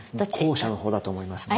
後者の方だと思いますね。